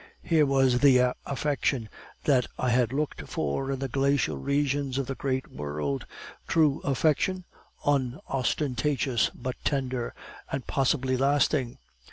Here was the affection that I had looked for in the glacial regions of the great world, true affection, unostentatious but tender, and possibly lasting.